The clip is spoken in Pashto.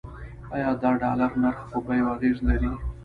آیا د ډالر نرخ په بیو اغیز لري؟